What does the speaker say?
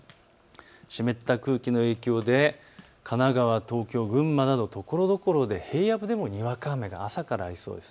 湿った空気の影響で神奈川、東京、群馬などところどころで平野部でもにわか雨が朝からありそうです。